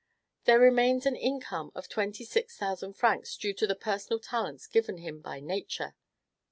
"There remains an income of twenty six thousand francs due to the personal talents given him by Nature."